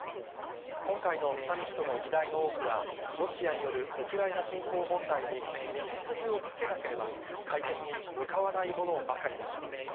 今回のサミットの議題の多くは、ロシアによるウクライナ侵攻問題に道筋をつけなければ解決に向かわないものばかりです。